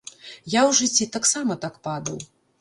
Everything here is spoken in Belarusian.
Я ў жыцці таксама так падаў.